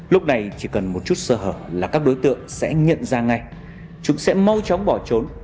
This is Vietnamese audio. lúc này chỉ cần một chút sơ hở là các đối tượng sẽ nhận ra ngay chúng sẽ mau chóng bỏ trốn